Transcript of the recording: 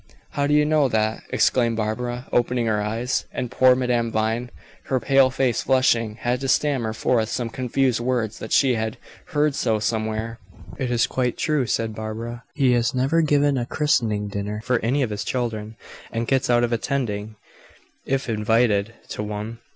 "How do you know that?" exclaimed Barbara, opening her eyes. And poor Madame Vine, her pale face flushing, had to stammer forth some confused words that she had "heard so somewhere." "It is quite true," said Barbara. "He has never given a christening dinner for any of his children, and gets out of attending if invited to one.